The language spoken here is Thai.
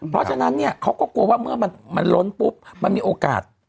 เพราะฉะนั้นเนี่ยเขาก็กลัวว่าเมื่อมันล้นปุ๊บมันมีโอกาส